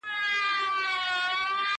د يوسفي ښکلا چيرمنې نوره مه راگوره~